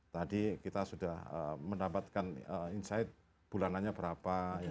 tadi kita sudah mendapatkan insight bulanannya berapa